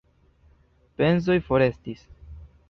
Pensoj forestis.